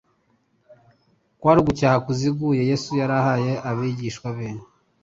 kwari ugucyaha kuziguye Yesu yari ahaye abigishwa be: